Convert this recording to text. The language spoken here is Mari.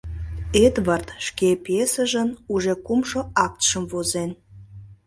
Эдвард шке пьесыжын уже кумшо актшым возен.